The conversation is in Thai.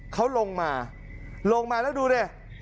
เขาลงมาลงมาแล้วดูดิ